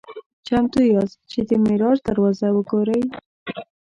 "چمتو یاست چې د معراج دروازه وګورئ؟"